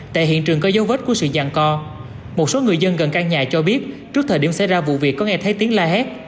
tại hiện trường có dấu vết của sự giàn co một số người dân gần căn nhà cho biết trước thời điểm xảy ra vụ việc có nghe thấy tiếng la hét